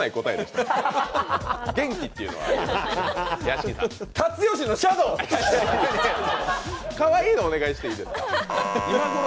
かわいいのお願いしていいですか？